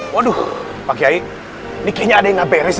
waduh pakai ini kayaknya ada yang ngeberes